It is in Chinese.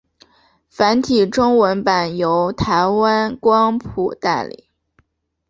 繁体中文版由台湾光谱代理。